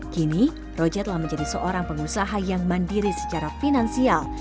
kini roja telah menjadi seorang pengusaha yang mandiri secara finansial